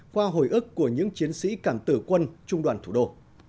qua hồi ức của những chiến sĩ cảm tử quân trung đoàn thủ đô